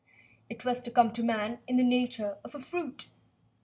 It was to come to man in the nature of a fruit.